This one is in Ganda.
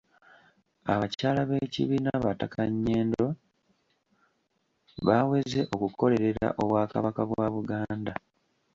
Abakyala b'Ekibiina Bataka Nyendo baaweze okukolerera Obwakabaka bwa Buganda.